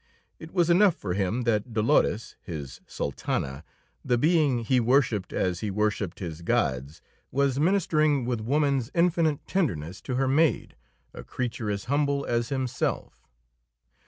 It was enough for him that Dolores, his Sultana, the being he worshiped as he worshiped his gods, was ministering with woman's infinite tenderness to her maid, a creature as humble as himself.